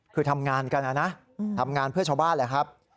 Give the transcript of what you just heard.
คือทำงานกันนะนะทำงานเพื่อชาวบ้านแหละครับ